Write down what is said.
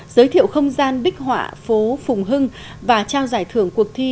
giới thiệu không gian bích họa phố phùng hưng và trao giải thưởng cuộc thi